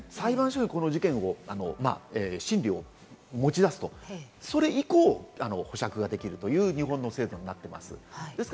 起訴という、裁判所に、この事件を審理を持ち出すという、それ以降、保釈ができるという日本の制度になっています。